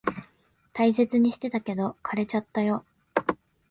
大切にしてたけど、枯れちゃったよ。